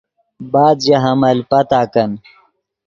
بعد ژے حمل پتاکن